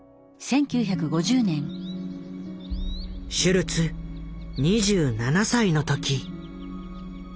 シュルツ２７歳の時。